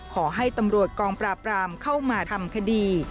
ขอให้ตำรวจกองปราบรามเข้ามาทำคดี